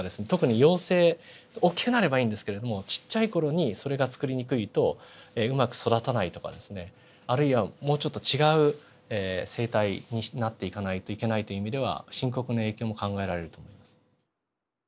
特に幼生おっきくなればいいんですけれどもちっちゃい頃にそれがつくりにくいとうまく育たないとかですねあるいはもうちょっと違う成体になっていかないといけないという意味では深刻な影響も考えられると思います。